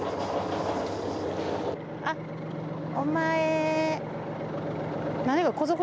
あっお前。